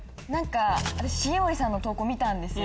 私重盛さんの投稿見たんですよ。